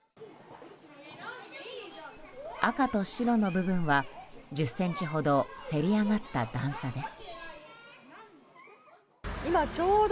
赤と白の部分は１０ｃｍほどせり上がった段差です。